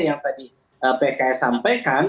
yang tadi pks sampaikan